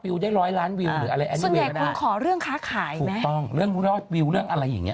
อีกเรื่องนึง